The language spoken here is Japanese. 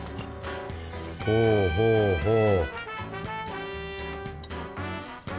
ほうほうほう